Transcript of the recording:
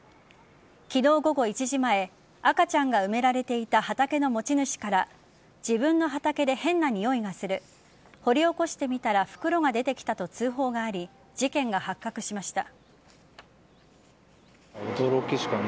昨日午後１時前赤ちゃんが埋められていた畑の持ち主から自分の畑で変なにおいがする掘り起こしてみたら袋が出てきたと通報があり事件が発覚しました。